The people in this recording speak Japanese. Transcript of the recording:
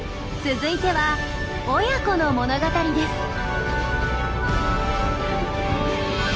続いては親子の物語です。